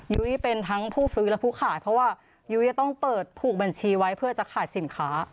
ยุ้ยเป็นทั้งผู้ซื้อและผู้ขายเพราะว่ายุ้ยจะต้องเปิดผูกบัญชีไว้เพื่อจะขายสินค้า